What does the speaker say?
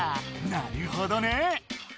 なるほどね。